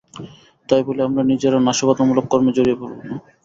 তাই বলে আমরা নিজেরা নাশকতামূলক কর্মে জড়িয়ে পড়ব না।